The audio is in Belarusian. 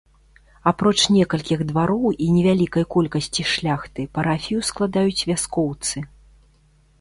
Апроч некалькіх двароў і невялікай колькасці шляхты, парафію складаюць вяскоўцы.